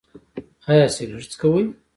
ایا سګرټ څکوئ؟